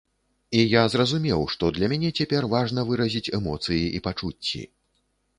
І я зразумеў, што для мяне цяпер важна выразіць эмоцыі і пачуцці.